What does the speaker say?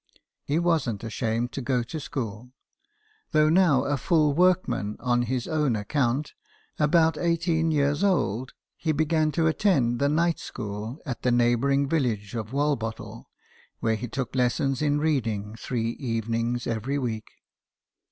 He wasn't ashamed to go to school. Though now a full workman on his own account, about eighteen years old, he began to attend the night school GEORGE STEPHENSON, ENGINE MAN. 35 at the neighbouring village of Walbottle, where he took lessons in reading three evenings every week.